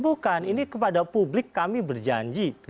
bukan ini kepada publik kami berjanji